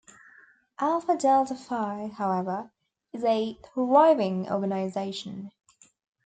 Alpha Delta Phi, however, is a thriving organization.